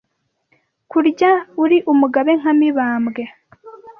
Kurya uri umugabe nka Mibambwe